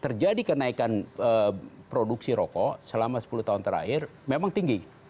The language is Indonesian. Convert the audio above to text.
terjadi kenaikan produksi rokok selama sepuluh tahun terakhir memang tinggi